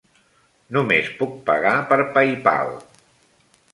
Només puc pagar per Paypal.